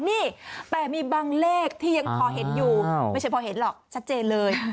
นี่แต่มีบางเลขที่ยังพอเห็นอยู่ไม่ใช่พอเห็นหรอกชัดเจนเลย